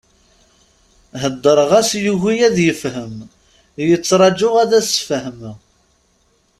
Heddṛeɣ-as yugi ad yefhem, yettṛaǧu ad as-fehmeɣ!